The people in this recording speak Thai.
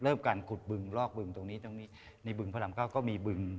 การขุดบึงลอกบึงตรงนี้ตรงนี้ในบึงพระรามเก้าก็มีบึง